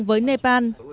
truyền thống với nepal